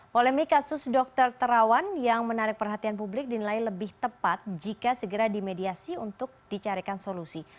polemik kasus dokter terawan yang menarik perhatian publik dinilai lebih tepat jika segera dimediasi untuk dicarikan solusi